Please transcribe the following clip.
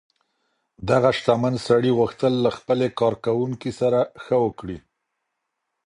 دغه شتمن سړي غوښتل له خپلې کارکوونکې سره ښه وکړي.